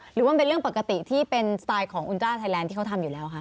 หรือว่ามันเป็นเรื่องปกติที่เป็นสไตล์ของคุณจ้าไทยแลนด์ที่เขาทำอยู่แล้วคะ